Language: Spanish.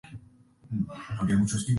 El delito nunca se resolvió.